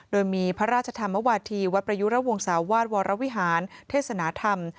โดยมีพระราชธรรมวาธีวัดประยุระวงศาวาสวรวิหารเทศนธรรม